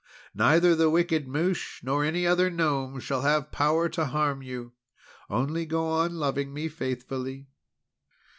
Neither the wicked Mouche nor any other Gnome shall have power to harm you. Only go on loving me faithfully."